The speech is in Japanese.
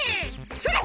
「それ！